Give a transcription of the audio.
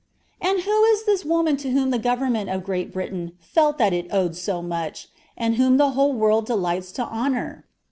And who is this woman to whom the government of Great Britain felt that it owed so much, and whom the whole world delights to honor?